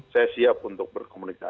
saya siap untuk berkomunikasi